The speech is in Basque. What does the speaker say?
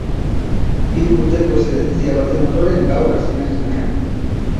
Hiru urteko eszedentzia baten ondoren, gaur hasi naiz lanean